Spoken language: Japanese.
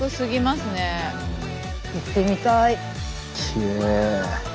行ってみたい！